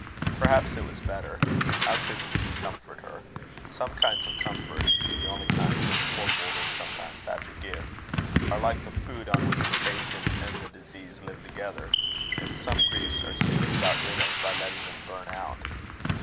Perhaps it was better how could he comfort her? Some kinds of comfort the only kinds which poor mortals sometimes have to give are like the food on which the patient and the disease live together; and some griefs are soonest got rid of by letting them burn out.